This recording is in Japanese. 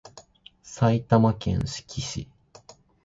埼玉県志木市